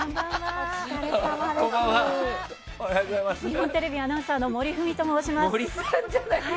日本テレビアナウンサーの森富美と申します。